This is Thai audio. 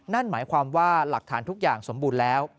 นั่นหมายความว่าหลักฐานทุกอย่างสมบูรณ์แล้ว